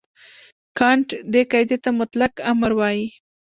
کانټ دې قاعدې ته مطلق امر وايي.